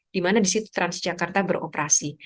di mana di situ transjakarta beroperasi